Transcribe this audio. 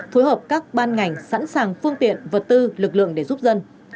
phối hợp các ban ngành sẵn sàng phương tiện vật tư lực lượng để giúp dân